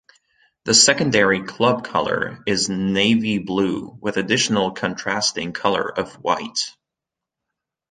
The secondary club colour is navy blue, with additional contrasting colour of white.